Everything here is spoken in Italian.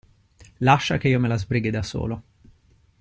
Lascia che io me la sbrighi da solo.